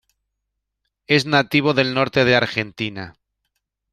Es nativo del norte de Argentina.